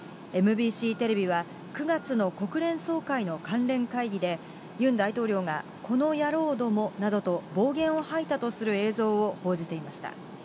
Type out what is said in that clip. ＭＢＣテレビは９月の国連総会の関連会議で、ユン大統領が、このやろうどもなどと暴言を吐いたとする映像を報じていました。